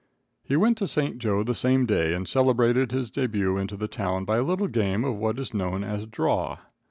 He went to St. Jo the same day, and celebrated his debut into the town by a little game of what is known as "draw."